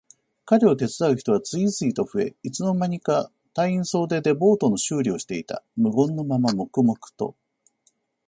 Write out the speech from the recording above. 彼を手伝う人は次々と増え、いつの間にか隊員総出でボートの修理をしていた。無言のまま黙々と。